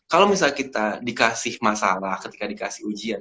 kalau misalnya kita dikasih masalah ketika dikasih ujian